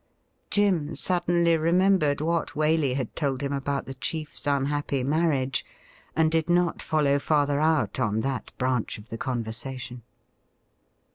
Jim suddenly remembered what Waley had told him about the chieFs unhappy marriage, and did not follow farther out on that branch of the conversation.